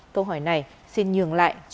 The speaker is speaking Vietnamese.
câu hỏi này xin nhường lại